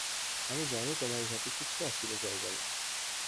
আমি জানি তোমার ইহাতে কিছুই আসিবে-যাইবে না।